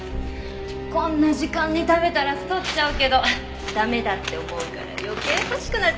こんな時間に食べたら太っちゃうけど駄目だって思うから余計欲しくなっちゃうのよね。